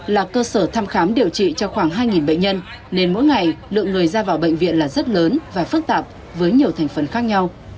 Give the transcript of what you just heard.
là cơ sở thăm khám điều trị cho khoảng hai bệnh nhân nên mỗi ngày lượng người ra vào bệnh viện là rất lớn và phức tạp với nhiều thành phần khác nhau